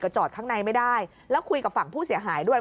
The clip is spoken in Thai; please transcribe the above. จอดข้างในไม่ได้แล้วคุยกับฝั่งผู้เสียหายด้วย